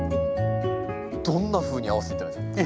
どんなふうに合わせていったらいいですか？